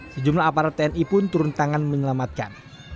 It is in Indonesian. sejumlah aparat tni pun turun tangan menyelamatkan